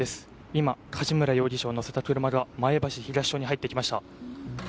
今、梶村容疑者を乗せた車が前橋東署に入っていきました。